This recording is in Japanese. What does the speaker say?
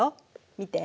見て。